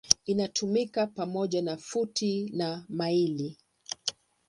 Inatumika pamoja na futi na maili.